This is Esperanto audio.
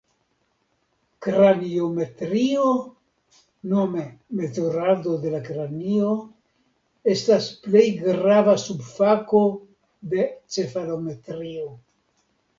Kraniometrio, nome mezurado de la kranio, estas plej grava subfako de cefalometrio.